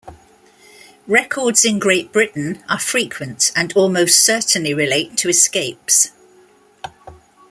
Records in Great Britain are frequent, and almost certainly relate to escapes.